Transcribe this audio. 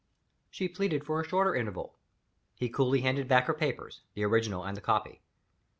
She pleaded for a shorter interval. He coolly handed back her papers; the original and the copy.